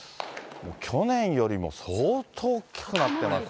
去年よりも相当大きくなってますからね。